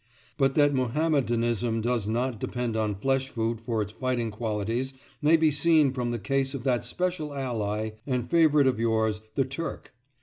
But that Mohammedanism does not depend on flesh food for its fighting qualities may be seen from the case of that special ally and favourite of yours, the Turk.